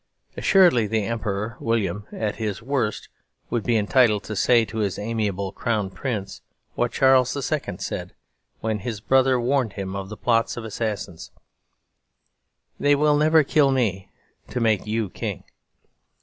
Assuredly the Emperor William at his worst would be entitled to say to his amiable Crown Prince what Charles II. said when his brother warned him of the plots of assassins: "They will never kill me to make you king."